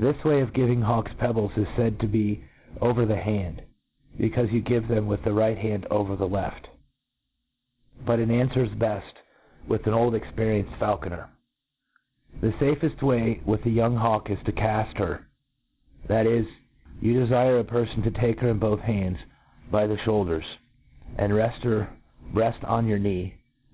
This way of giving hawks pebbles is laid to be over the hand, becaufe you give them with the right hand over the leftj but it aqfwers b^ft with an old experienced feulconer. The MODERN FAULCONRT. iji The fafcft way xndth a young hawk is to ca(t her ; that is^ you defire a perlbn to take her in both his hands by the fhoulderb^ and reft her breaft on your knee.